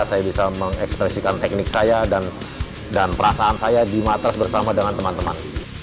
saya bisa mengekspresikan teknik saya dan perasaan saya di matras bersama dengan teman teman